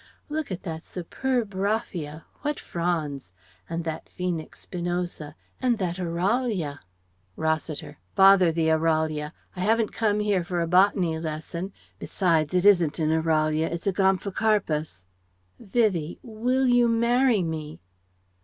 "Look at that superb Raphia what fronds! And that Phoenix spinosa and that Aralia " Rossiter: "Bother the Aralia. I haven't come here for a Botany lesson. Besides, it isn't an Aralia; it's a Gomphocarpus.... Vivie! Will you marry me?"